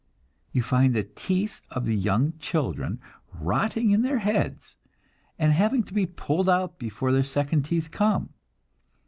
You find the teeth of the young children rotting in their heads, and having to be pulled out before their second teeth come.